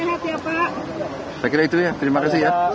saya kira itu ya terima kasih ya